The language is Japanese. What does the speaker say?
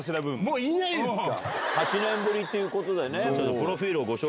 もういないんすか！